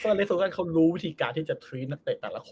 เซอร์เลคเฟอร์ลูซันซิมม่อนเขารู้วิธีเกาะที่จะทรีซ